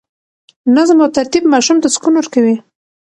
نظم او ترتیب ماشوم ته سکون ورکوي.